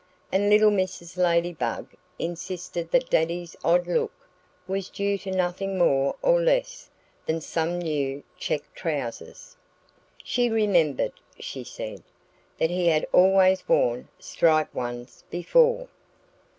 And little Mrs. Ladybug insisted that Daddy's odd look was due to nothing more or less than some new checked trousers. She remembered (she said) that he had always worn striped ones before.